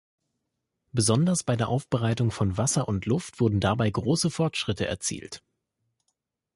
Besonders bei der Aufbereitung von Wasser und Luft wurden dabei große Fortschritte erzielt.